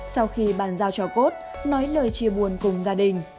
sau khi bàn giao cho cốt nói lời chia buồn cùng gia đình